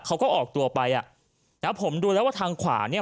เขาก็ออกตัวไปอ่ะนะผมดูแล้วว่าทางขวาเนี่ย